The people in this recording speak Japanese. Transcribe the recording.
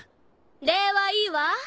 ・礼はいいわ。